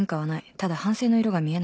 ただ反省の色が見えない